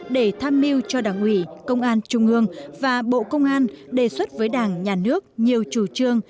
để tham mưu cho đảng ủy công an trung ương và bộ công an đề xuất với đảng nhà nước nhiều chủ trương